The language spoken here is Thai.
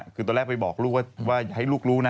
คือตอนแรกไปบอกลูกว่าให้ลูกรู้นะ